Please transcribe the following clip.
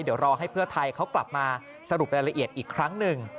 เดี๋ยวรอให้เพื่อไทยเขากลับมาสรุปรายละเอียดอีกครั้งหนึ่ง